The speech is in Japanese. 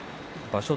場所